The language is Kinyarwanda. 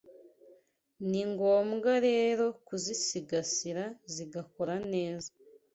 ni ngombwa rero kuzisigasira zigakora neza.